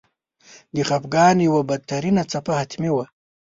د خپګان یوه بدترینه څپه حتمي وه.